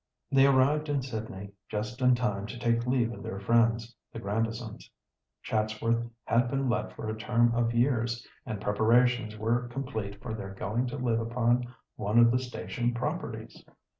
They arrived in Sydney just in time to take leave of their friends, the Grandisons. Chatsworth had been let for a term of years, and preparations were complete for their going to live upon one of the station properties.